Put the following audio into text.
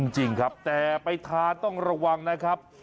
จริงครับแต่ไปทานต้องระวังนะครับ